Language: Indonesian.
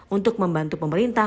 untuk membantu pemerintah